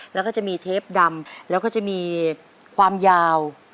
แล้วก็จะมีเทปดำแล้วก็จะมีความยาว